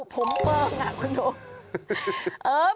ผมตะอย่างเกิน